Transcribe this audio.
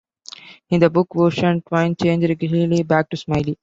In the book version, Twain changed Greeley back to Smiley.